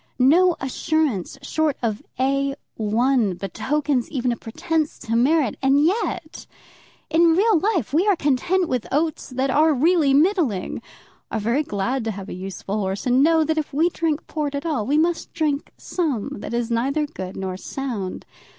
No assurance short of A 1 betokens even a pretence to merit. And yet in real life we are content with oats that are really middling, are very glad to have a useful horse, and know that if we drink port at all we must drink some that is neither good nor sound.